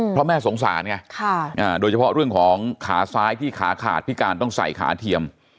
เพราะแม่สงสารไงโดยเฉพาะเรื่องของขาซ้ายที่ขาขาดพิการต้องใส่ขาเทียม